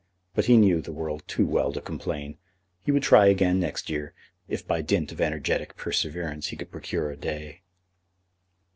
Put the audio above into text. But he knew the world too well to complain. He would try again next year, if by dint of energetic perseverance he could procure a day.